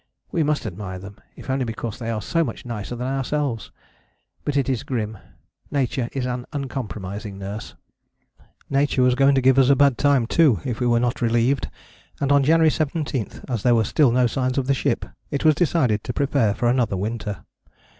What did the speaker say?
We must admire them: if only because they are so much nicer than ourselves! But it is grim: Nature is an uncompromising nurse. Nature was going to give us a bad time too if we were not relieved, and on January 17, as there were still no signs of the ship, it was decided to prepare for another winter.